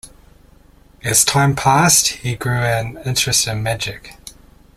As time passed, he grew an interest in magic.